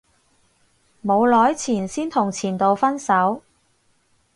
冇耐前先同前度分手